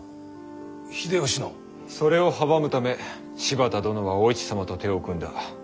それを阻むため柴田殿がお市様と手を組んだ。